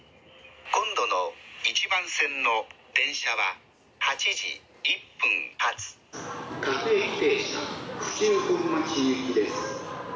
今度の１番線の電車は８時１分発各駅停車府中本町行きです」。